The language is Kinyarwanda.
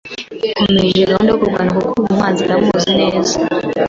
nkomeje gahunda yo kurwana kuko ubu umwanzi ndamuzi neza.